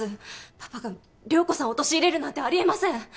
パパが涼子さんを陥れるなんてありえません。